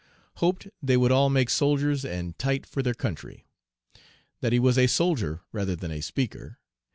Hoped they would all make soldiers and tight for their country. That he was a soldier rather than a speaker.